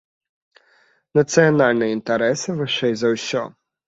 Нацыянальныя інтарэсы вышэй за ўсё.